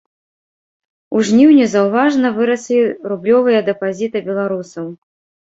У жніўні заўважна выраслі рублёвыя дэпазіты беларусаў.